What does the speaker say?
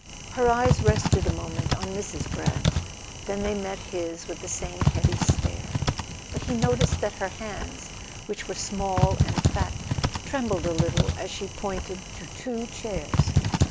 Her eyes rested a moment on Mrs. Brant; then they met his with the same heavy stare. But he noticed that her hands, which were small and fat, trembled a little as she pointed to two chairs.